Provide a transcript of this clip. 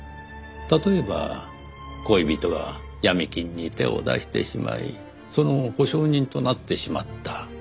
例えば恋人が闇金に手を出してしまいその保証人となってしまった。